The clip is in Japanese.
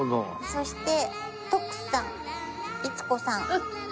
そして徳さん律子さん。